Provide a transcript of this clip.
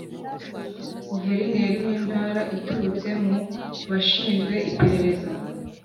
guverineri w’intara uturutse mu bashinzwe iperereza